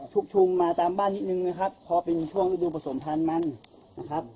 ชุกชุมมาตามบ้านนิดนึงนะครับพอเป็นช่วงที่ดูประสงค์ทานมันนะครับ